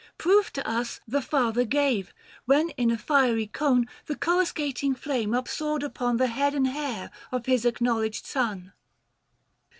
Proof to us The father gave, when in a fiery cone The coruscating flame upsoared upon The head and hair of his acknowledged son.